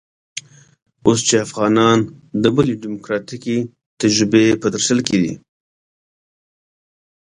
اوس چې افغانان د بلې ډيموکراتيکې تجربې په درشل کې دي.